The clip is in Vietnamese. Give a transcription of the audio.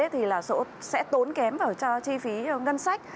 thì là sẽ tốn kém vào cho chi phí ngân sách